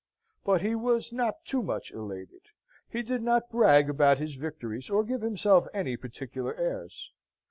But he was not too much elated. He did not brag about his victories or give himself any particular airs.